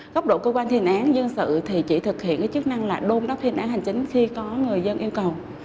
góc độ cơ quan thi hành án dân sự thì chỉ thực hiện cái chức năng là đôn đốc thi hành án hành chính khi có người dân yêu cầu